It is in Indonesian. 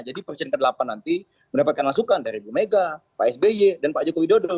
jadi presiden ke delapan nanti mendapatkan langsungan dari bu mega pak spi dan pak jokowi dodo